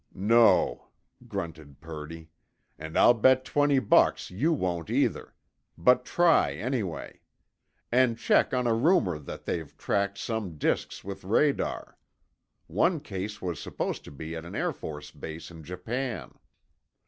"No," grunted Purdy, "and I'll bet twenty bucks you won't, either. But try, anyway. And check on a rumor that they've tracked some disks with radar. One case was supposed to be at an Air Force base in Japan."